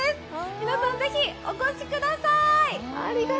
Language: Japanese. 皆さんぜひお越しください！